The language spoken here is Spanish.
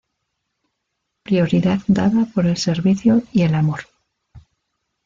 Prioridad dada por el servicio y el amor.